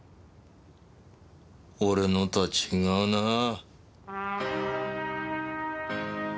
俺のとは違うなぁ。